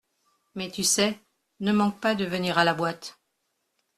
Mais tu sais, ne manque pas de venir à la boîte.